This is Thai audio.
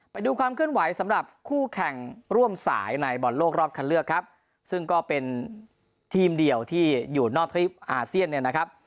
ไปดูความเคลื่อนไหวสำหรับคู่แข่งร่วมสายในบอลโลกรอบคันเลือกครับซึ่งก็เป็นทีมเดียวที่อยู่นอกทริปอาเซียนเนี่ยนะครับ